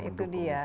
nah itu dia